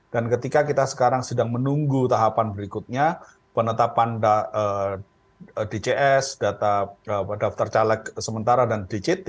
dan ketika kita sekarang sedang menunggu tahapan berikutnya penetapan dcs data daftar caleg sementara dan dct